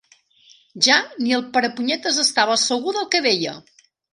Ja ni el Perepunyetes estava segur del que deia.